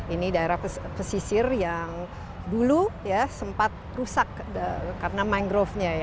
ini daerah pesisir yang dulu ya sempat rusak karena mangrovenya